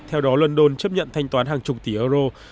theo đó london chấp nhận thanh toán hàng chục tỷ euro